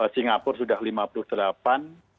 singapura sudah lima puluh delapan